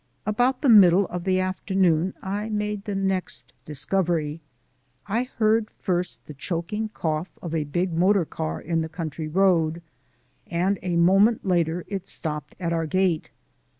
About the middle of the afternoon I made the next discovery. I heard first the choking cough of a big motor car in the country road, and a moment later it stopped at our gate.